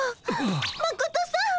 マコトさん！